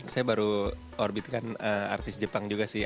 saya baru orbitkan artis jepang juga sih